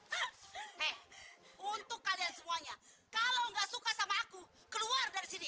eh untuk kalian semuanya kalau nggak suka sama aku keluar dari sini